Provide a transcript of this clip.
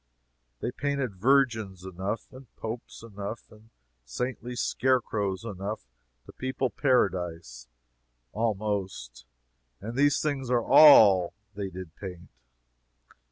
They painted Virgins enough, and popes enough and saintly scarecrows enough, to people Paradise, almost, and these things are all they did paint.